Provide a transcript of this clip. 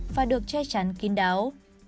và được che chắn kín đáo